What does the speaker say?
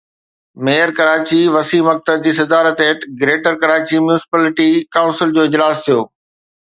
mayor Karachi Waseem Akhtar جي صدارت هيٺ گريٽر ڪراچي ميونسپالٽي ڪائونسل جو اجلاس ٿيو